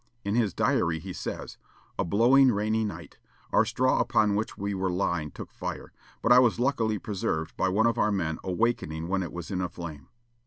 In his diary he says, "A blowing, rainy night, our straw upon which we were lying took fire, but I was luckily preserved by one of our men awaking when it was in a flame."